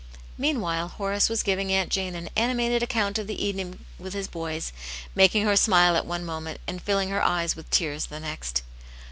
Meanwhile, Horace was giving Aunt Jane an animated account of the evening with his boys, making her smile at one moment and filling her eyes with tears the next.